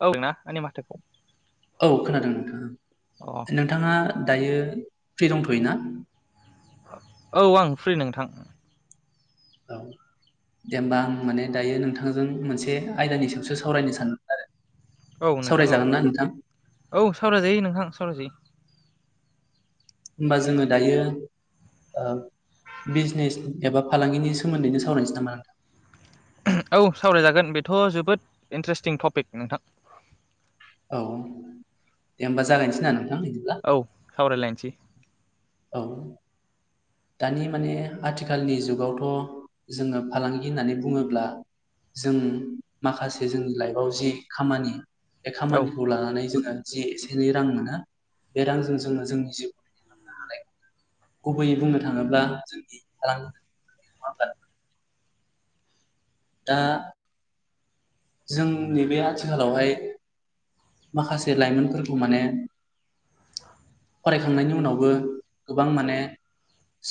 औ दों ना आंनि माथोखौ औ खोनादों नोंथां अ नोंथाङा दायो फ्रि दंथ'योना? अ औ आं फ्रि नोंथां। औ दे होमबा आं माने दायो नोंथांजों मोनसे आयदानि सायावसो सावरायनो सानदोंमोन आरो औ नोंथां औ सावरायजागोन ना नोंथां औ सावराय जायो नोंथां सावराय जायो होमबा जोङो दायो ओ बिजनेस एबा फालांगिनि सोमोन्दैनो सावरायनोसै नामा नोंथां? औ सावरायजागोन बेथ' जोबोद इन्ट्रेस्टिं टपिक नोंथां। औ दे होमबा जागायनोसै ना नों औ सावरायलायनिसै। औ दानि माने आथिखालनि जुगावथ' जोङो फालांगि होननानै बुङोब्ला जों माखासे जोंनि लाइफआव जि खामानि बे औ खामानिखौ लानानै जोङो जि एसे एनै रां मोनो बे रांजों जोङो जोंनि जिउखुंनो हानाय गुबैयै बुंनो था थाङोब्ला जोंनि लाङो नङा होमब्ला नोंथां? दा जोंनि बे आथिखालावहाय माखासे लाइमोनफोरखौ माने फरायखांनायनि उनावबो गोबां माने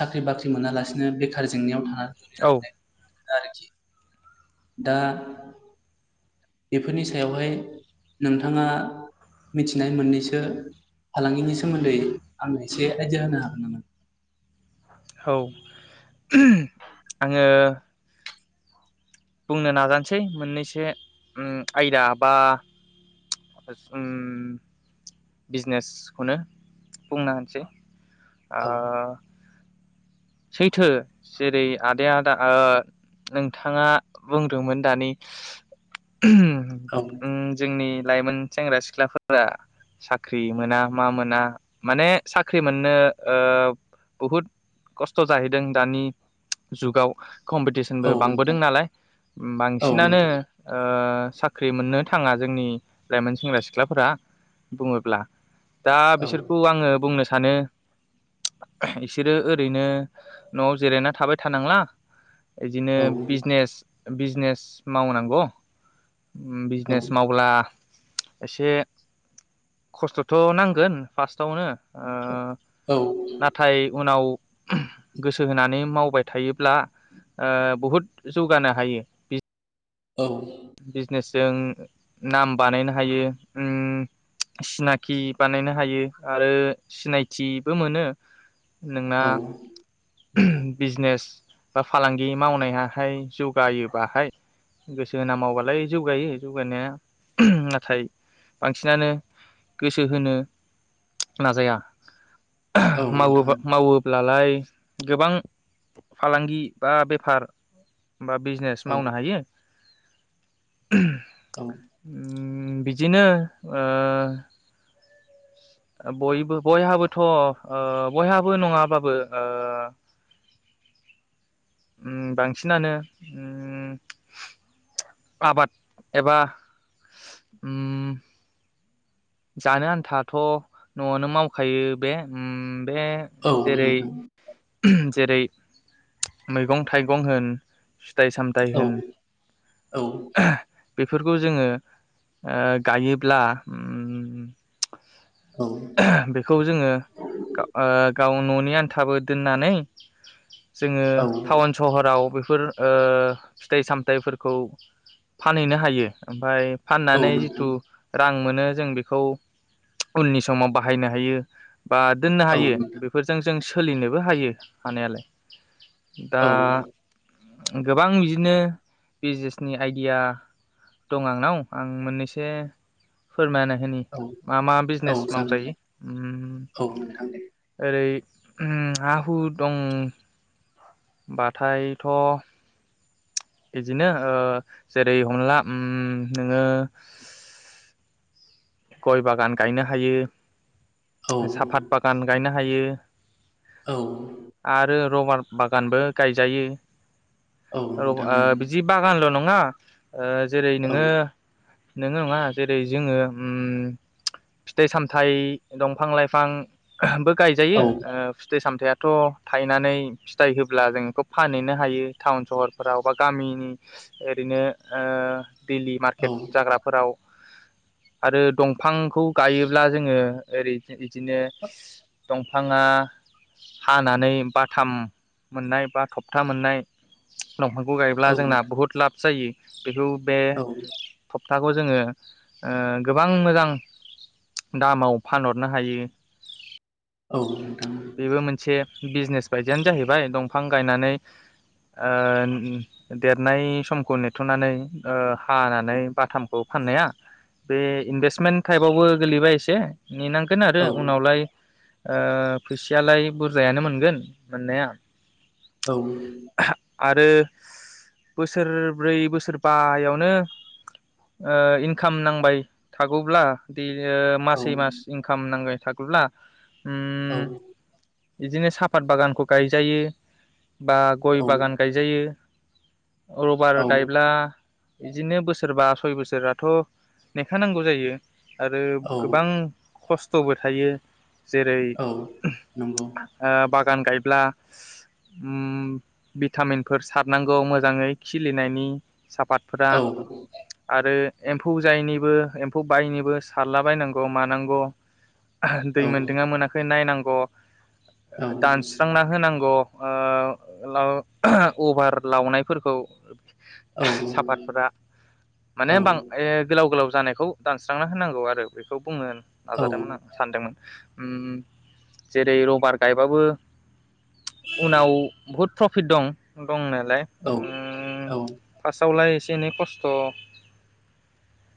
साख्रि बाख्रि मोनालासिनो बेखार जेंनायाव थानानै दिनो औ ओमफाय आरोखि दा बेफोरनि सायावहाय नोंथाङा मिथिनाय मोननैसो फालांगिनि सोमोन्दै आंनो एसे आयडिया होनो हागोन नामा? औ [unintelligible] आङो बुंनो नाजानोसै मोननैसो ओम आयदा बा ओम बिजनेसखौनो बुंनो होनासै। आ औ सैथो जेरै आदाया आदा ओ नोंथाङा बुंदोंमोन दानि [unintelligible] औ ओम जोंनि लाइमोन सेंग्रा सिख्लाफोरा साख्रि मोना मा मोना माने साख्रि मोननो ओ बहुद खस्थ' जाहैदों दानि जुगाव। औ कम्पिटिसनबो नोंथां बांबोदों नालाय। औ बांसिनानो नोंथां ओ ओ साख्रि मोननो थाङा जोंनि लाइमोन सेंग्रा सिख्लाफोरा बुङोब्ला। दा औ बिसोरखौ आङो बुंनो सा सानो ओ इसोरो ओरैनो न'आव जिरायना थाबाय थानांला इदिनो औ बिजनेस बिजनेस मावनांगौ। औ बिजनेस मावब्ला एसे खस्थ'थ' नांगोन फार्स्ट फावनो ओ नाथाय उनाव गोसो होनानै मावबाय थायोब्ला ओ बहुद जौ गानो हायो बिज औ बिजनेस जों नाम बानायनो हायो ओम सिनाखि बानायनो हायो आरो सिनायथिबो मोनो। नोंना नोंथां बिजनेस बा फालांगि मावनायाहाय जौगायोबाहाय गोसो होना मावबालाय जौगायो जौगानाया नाथाय बांसिनानो गोसो होनो नाजाया। औ नोंथाङा मावो-मावोब्लालाय गोबां फालांगि बा बेफार बा बिजनेस औ मावनो हायो। औ। ओम बिदिनो ओ बयबो बयहाबोथ' ओ बयहाबो नङाबाबो ओ ओम बांसिनानो ओम आबाद एबा ओम जानो आन्थाथ' न'आवनो मावखायो बे। ओम बे औ जेरै नोंथां जेरै मैगं थाइगं होन फिथाइ सामथाय औ होन। औ बेफोरखौ जोङो ओ गायोब्ला उम उम औ बेखौ जोङो ओ ओ गाव न'नि आन्थाबो दोननानै जोङो औ थाउन सहराव बो फोर ओ फिथाइ- सामथाइफोरखौ फानहैनो हायो ओमफाय औ फाननानै नोंथां जिथु रां मोनो जों बि खौ उननि समाव बाहायनो हायो बा दोननो औ हायो नोंथां बेफोरजों जों स सोलिनोबो हायो हानायालाय दा औ गोबां बिदिनो बिजनेसनि आइडिया दं आंनाव आं मोननैसे फोरमायना औ मा मा औ बिजनेस जागोन मावजायो ओम औ नोंथां दे ओरै उम हा हु दंबाथायथ' इदिनो ओ जेरै हंला उम नोङो गय बागान गायनो हायो औ साफात बागान गायनो हायो औ आरो रबार बागानबो गायजायो औ रबा नोंथां ओ बिदि बागानल' नं ङा ओ जेरै नोङो नोङो अङा जेरै जोङो उम फिथाइ- सामथाइ दंफां -लाइफां बो गायजायो ओ फिथाइ -साम फिथायाथ' थायनानै फिथाइ होब्ला जों इखौ फानहैनो हायो थाउन सहरफोराव बा गामिनि ओरैनो ओ दैलि ओं औ मार्केट जाग्राफोराव आरो दंफांखौ गायोब्ला जोङो ओरै बिदिनो दंफाङा हानानै बाथाम मोननाय बा थबथा मोननाय दंफांखौ गायोब्ला औ जोंना नोंथां बहुत लाब जायो बेखौ बे औ [unintelligible] थाखौ जोङो ओ गोबां मोजां दामाव फानहरनो हायो। औ नोंथां बेबो मोनसे बिजनेस बायदियानो जाहैबाय दंफां गायनानै ओ देरनाय समखौ नेथ'नानै ओ हानानै बाथाम खौ फाननाया बे इनभेस्टमेन्ट टाइपआवबो गोगलैबाय एसे ने नांगोन आरो औ उनावलाय ओ फैसायलाय बुरजायानो मोनगोन मोननाया औ आरो बोसोरब्रै बोसोरबायावनो ओ इनकाम नां बाय थागौब्ला बि औ योमासौ मास इनकाम नाङै थागौब्ला उम औ बिदिनो साफात बागानखौ गायजायो। बा गय बागान गायजायो। रबार औ गायब्ला बिदिनो बोसोरबा सय बोसोराथ' नेखा नांगौ जायो। आरो औ गोबां खस्थ'बो थायो। जेरै औ नंगौ ओ बा गान गायब्ला उम भिटामिनफोर सारनांगौ मोजाङै खिलिनायनि। साफातफोरा औ आरो एम्फौ जायनि बो एम्फौ बायनोबो सारला बायनांगौ मानांगौ दै औ मोनदोङा मोनाखै नायनां ग। औ दानस्रांना होनांगौ ओ लाव अभार लावनायफोरखौ साफातफोरा माने बां ए गोलाव गोलाव जानायखौ दानस्रांना होनांगौ आरो बेखौ बुङो। नाजादोंमोन आं सानदोंमोन। उम जेरै रबार गायबाबो उनाव बुहुत प्रफिट दं। दंनायलाय औ उम औ फार्स्टावलाय एसे एनै खस्थ'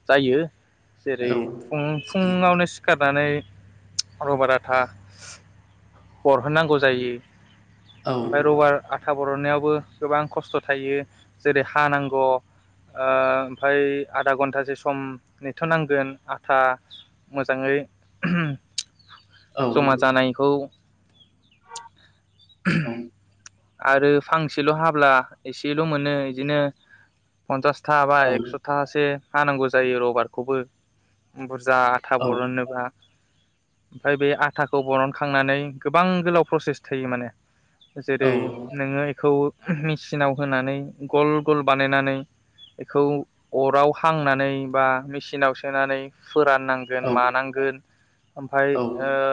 जायो औ जेरै फुं जायो फुङावनो सिखारनानै रबार आथा हरहोनांगौ जायो। औ ओमफाय रबार आथ था बरननायावबो गोबां खस्थ' थायो जेरै हा नांगौ ओ ओमफाय आधा घन्टासो स सम नेथ' नांगोन आथा मोजाङै उमहु औ जमा जानायखौ औ आरो फांसेल' हाब्ला एसेल' मोनो इदिनो फन्सास खाबाय औ एकस'थासे हानांगौ जायो रबारखौबो उमबोरस जा आथा औ बरननोबा ओमफाय बे आथाखौ बरनखांनानै गोबां गोलाव प्रसेस थायो माने। जेरै औ औ नोङो इखौ मेचिनाव होनानै गल गल बानायनानै बेखौ अराव हांनानै बा मेचिनाव सोनानै फोराननांगोन मानांगोन ओमफाय औ ओ ओं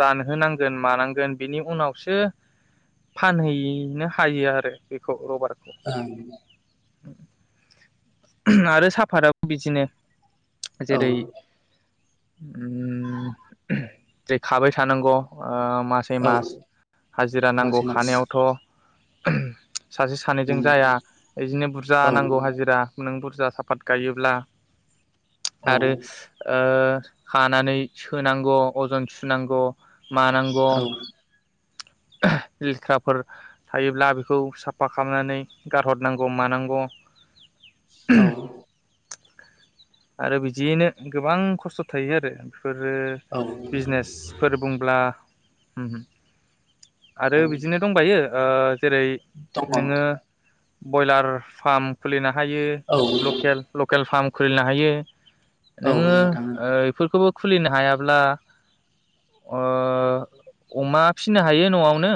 रानहोनांगोन मानांगोन बिनि उनावसो फानहैनो हायो आरो बेखौ रबार्ट ओं आरो साफादाबो बिदिनो औ जेरै उम जे खाबाय थानांगौ ओ मासै औ मास हाजिरा नांगौ मासे मास खानायावथ' [unintelligible] सासे सानैजों नंगौ जाया बिदिनो बुरजा औ नांगौ हाजिरा नों बुरजा साफात गायोब्ला औ आरो ओ खानानै सोनांगौ अजन सुनांगौ मानांगौ औ लेथ्राफोर थायोब्ला बेखौ साफा खालामनानै गारहरनांगौ मानांगौ औ आरो बिदियैनो गोबां खस्थ' थायो आरो। बेफोरो औ दङ बिजनेसफोर बुंब्ला होम हो आरो औ बिदिनो दंबाययो ओ जेरै नोङो ब्रयलार फार्म खुलिना हायो लकेल‌ -लकेल फार्म खुलिनो हायो। औ नोङो नोंथां ओ इफोरखौबो खुलिनो हायाब्ला ओ अमा ओ फिसिनो हायो न'आवनो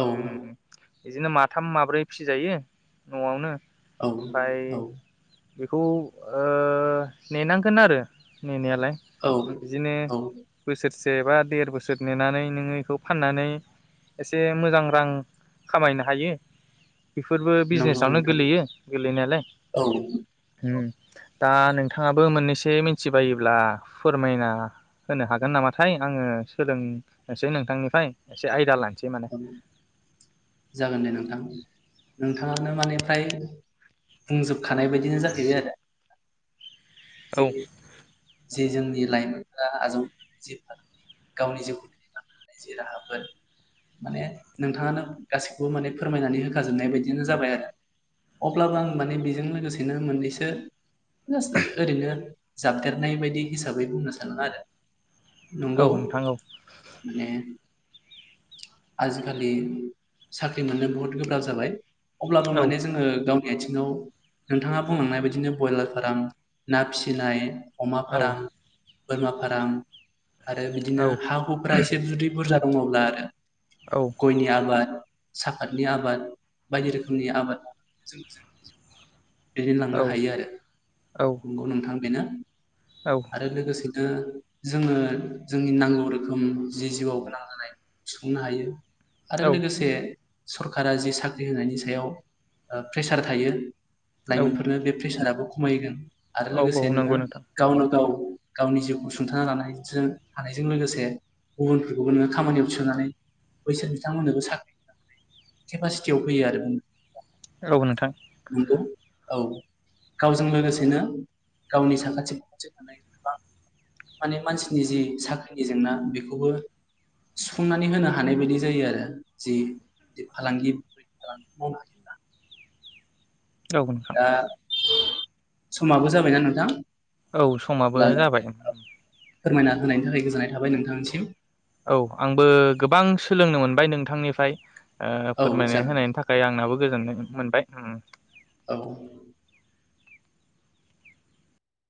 औ उम बिदिनो माथाम माब्रै फिसिजायो न'आवनो औ ओमफाय औ बेखौ ओ नेनांगोन आरो नेनायालाय औ बिदिनो औ बोसोर से बा देर बोसोर नेनानै नोङो इखौ फाननानै एसे मोजां रां खामायनो हायो। बेफोरबो नंगौ बिजनेसावनो नोंथां गोलैयो गोलैनायालाय औ होम। दा नोंथाङाबो मोननैसो मिथिबायोब्ला फोरमायना होनो हागोन नामाथाय आङो सोलोंनोसै नोंथांनि [unintelligible] एसे आइदा लानि जागोन दे नोंथां नोंथां नोंथाङानो माने फ्राय बुंजोबखानाय बायदिनो जाहैबाय आरो। जि औ -जि जोंनिल लाइमोनफोरा आजाव जि फालांगि गावनि जिउखौ [unintelligible] जि राहाफोर माने नोंथाङानो गासैखौबो माने फोरमायनानै होखाजोबनाय बायदिनो जाबाय आरो अब्लाबो आं माने बेजों लोगोसेनो मोननैसो जास्त ओ ओरैनो जाबदेरनाय बायदि हिसाबै बुंनो सानो आरो औ नंगौ नोंथां औ माने आजिखालि साख्रि मोननो बहुत गोब्राब जाबाय। अब्लाबो औ माने जोङो गाव [unintelligible] आथिङाव नोंथाङा बुंलांनाय बादिनो ब्रयलार फार्म ना फिसिनाय अमा औ फ्राम बोरमा फाराम आरो औ बिदिनो हा हुफ्रा एसे जुदि बुरजा दङब्ला आरो औ गयनि आबाद साफातनि आबाद बायदि रोखोमनि आबाद जों जोंनि जिउखौ औ दैदेनलांनो हायो आरो। नंगौ नोंथां बेनो। आरो लोगोसे बिदिनो जोङो जोंनि नांगौ रोखोम जि जिउआव गोनां जानाय सुफुंनो हायो। आरो औ लोगोसे सरकारा जि साख्रि होनायनि सायाव ओ प्रेसार थायो। औ लाइमोनफोरनो बे प्रेसाराबो खमायगोन। आरो औ औ लोगोसे नोङो नंगौ नोंथां गावनो गाव गावनि जिउखौ सुंथा लानायजों हानायजों लोगोसे गुबुनफोरखौबो नोङो खामानियाव थिसननानै बैसोर बिथांमोननोबो साख्रि होनो हानाय केपासिटियाव फैयो आरो। औ नोंथां। नंगौ औ गावजों लोगोसेनो गावनि साखाथि फाखाथि थानाय गोबां माने मानसिनि जि साख्रिनि जेंना बेखौबो सुफुंनानै होनो हानाय बायदि जायो आरो जि फालांगिफोर मावनो हायोब्ला। औ नोंथां। दा समाबो जाबायना नोंथां? औ समाबो अब्ला जाबाय। फोरमायना होनायनि थाखाय गोजोननाय थाबाय नोंथांनिसिम। औ आंबो गोबां सोलोंनो मोनबाय नोंथांनिफ्राय। ओ औ फोरमायनाय जागोन दे होनायनि थाखाय आंनाबो गोजोननाय मोनबाय। उम औ